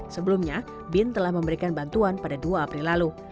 sebelumnya bin telah memberikan bantuan pada dua april lalu